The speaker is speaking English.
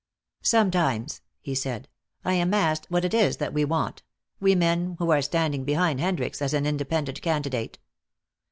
"Sometimes," he said, "I am asked what it is that we want, we men who are standing behind Hendricks as an independent candidate."